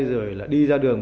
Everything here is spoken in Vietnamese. rồi là đi ra đường